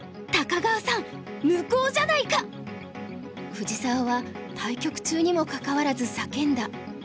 藤沢は対局中にもかかわらず叫んだ。